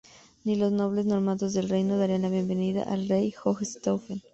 Ni los nobles normandos del reino darían la bienvenida al rey Hohenstaufen.